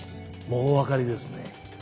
もうお分かりですね？